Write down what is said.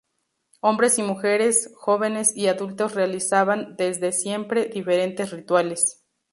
Hombres y mujeres, jóvenes y adultos realizaban, desde siempre, diferentes rituales.